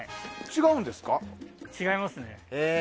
違いますね。